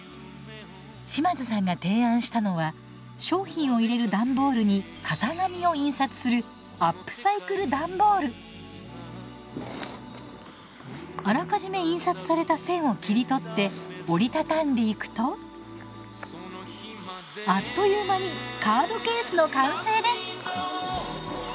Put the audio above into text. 島津さんが提案したのは商品を入れる段ボールに型紙を印刷するあらかじめ印刷された線を切り取って折り畳んでいくとあっという間にカードケースの完成です！